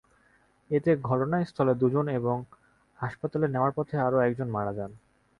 এতে ঘটনাস্থলে দুজন এবং হাসপাতালে নেওয়ার পথে আরও একজন মারা যান।